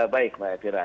baik mbak efira